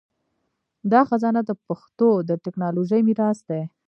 دا خزانه د پښتو د ټکنالوژۍ میراث دی.